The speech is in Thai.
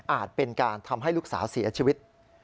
เป็นการทำให้ลูกสาวเสียชีวิต